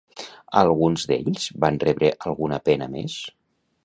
Alguns d'ells van rebre alguna pena més?